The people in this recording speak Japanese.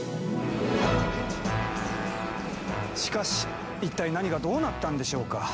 しかし一体何がどうなったんでしょうか？